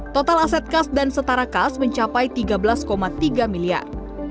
total aset kas dan setara kas mencapai tiga belas tiga miliar